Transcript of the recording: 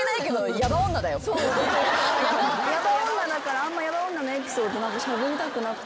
ヤバ女だからあんまヤバ女のエピソードしゃべりたくなくて。